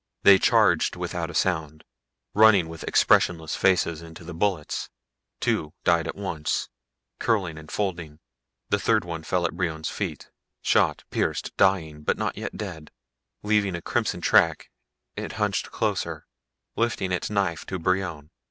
They charged without a sound, running with expressionless faces into the bullets. Two died at once, curling and folding; the third one fell at Brion's feet. Shot, pierced, dying, but not yet dead. Leaving a crimson track, it hunched closer, lifting its knife to Brion.